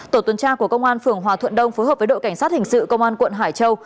tổ tuần tra của công an phường hòa thuận đông phối hợp với đội cảnh sát hình sự công an quận hải châu